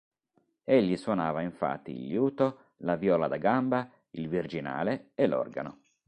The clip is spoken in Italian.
Egli suonava infatti il liuto, la viola da gamba, il virginale e l'organo.